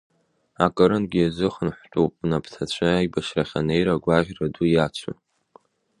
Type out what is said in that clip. Акырынтәгьы иазыхынҳәтәуп напҭацәы аибашьрахь анеира агәаӷьра ду иацу.